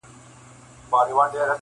سر ته ځاي دي پر بالښت د زنګون غواړم,